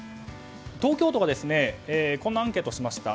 東京都がこんなアンケートをしました。